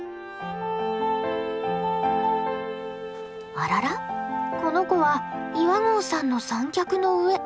あららこの子は岩合さんの三脚の上。